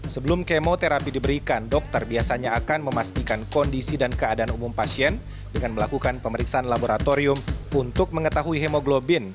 sebelum kemoterapi diberikan dokter biasanya akan memastikan kondisi dan keadaan umum pasien dengan melakukan pemeriksaan laboratorium untuk mengetahui hemoglobin